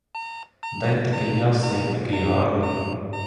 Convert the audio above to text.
День такий ясний, такий гарний.